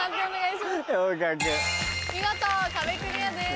見事壁クリアです。